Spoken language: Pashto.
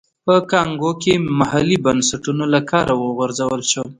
په کانګو کې محلي بنسټونه له کاره وغورځول شول.